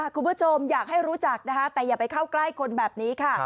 คุณผู้ชมอยากให้รู้จักนะคะแต่อย่าไปเข้าใกล้คนแบบนี้ค่ะ